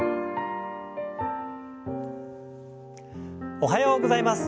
おはようございます。